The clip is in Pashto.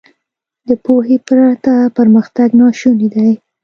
• د پوهې پرته پرمختګ ناشونی دی.